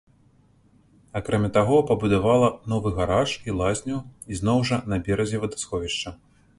Акрамя таго, пабудавала новы гараж і лазню, ізноў жа, на беразе вадасховішча.